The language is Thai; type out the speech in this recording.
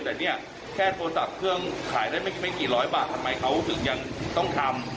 แต่เนี่ยแค่โทรศัพท์เครื่องขายได้ไม่กี่ร้อยบาททำไมเขาถึงยังต้องทำ